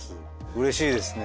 うれしいですね